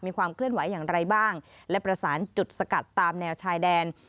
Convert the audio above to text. ความเคลื่อนไหวอย่างไรบ้างและประสานจุดสกัดตามแนวชายแดน